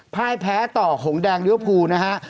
พลายแพ้ต่อหงษ์แดงริวพูนะครับ